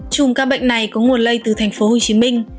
chùm các bệnh này có nguồn lây từ thành phố hồ chí minh